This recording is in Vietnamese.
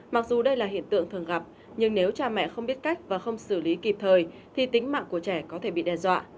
mặc dù đây là hiện tượng thường gặp nhưng nếu cha mẹ không biết cách và không xử lý kịp thời thì tính mạng của trẻ có thể bị đe dọa